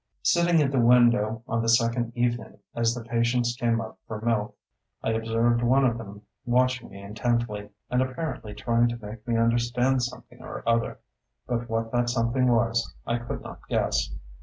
Sitting at the window on the second evening, as the patients came up for milk, I observed one of them watching me intently, and apparently trying to make me understand something or other, but what that something was I could not guess.